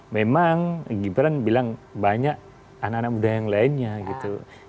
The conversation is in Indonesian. memang gibran bilang banyak anak anak muda yang lainnya gitu